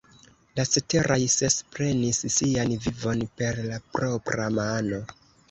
La ceteraj ses prenis sian vivon per la propra mano.